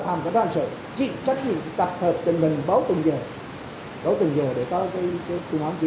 phạm cảnh sơn chỉ trách nhiệm tập hợp tình hình báo tuần giờ báo tuần giờ để có cái thử nóng chỉ